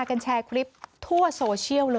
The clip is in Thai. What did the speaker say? กันแชร์คลิปทั่วโซเชียลเลย